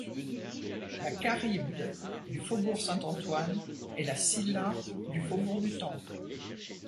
La Charybde du Faubourg Saint-Antoine et la Scylla du Faubourg du Temple